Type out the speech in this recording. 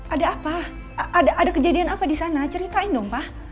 ada apa ada kejadian apa disana ceritain dong pak